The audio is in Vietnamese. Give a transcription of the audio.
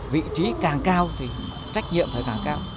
vị trí càng cao thì trách nhiệm phải càng cao